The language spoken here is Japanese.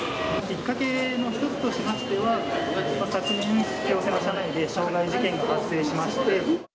きっかけの一つとしましては、昨年、京王線の車内で傷害事件が発生しまして。